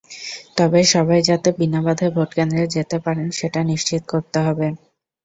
তবে সবাই যাতে বিনা বাধায় ভোটকেন্দ্রে যেতে পারেন, সেটা নিশ্চিত করতে হবে।